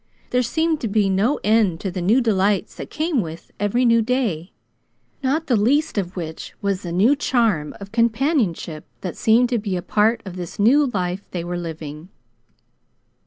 There seemed to be no end to the new delights that came with every new day, not the least of which was the new charm of companionship that seemed to be a part of this new life they were living.